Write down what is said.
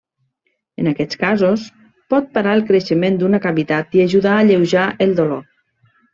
En aquests casos, pot parar el creixement d'una cavitat i ajudar a alleujar el dolor.